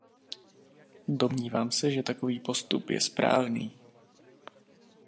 Domnívám se, že takový postup je správný.